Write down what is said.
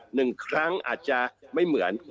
หนึ่งครั้งอาจจะไม่เหมือน